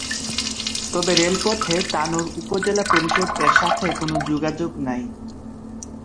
তবে রেল পথে তানোর উপজেলা পরিষদ এর সাথে কোনো যোগাযোগ নাই।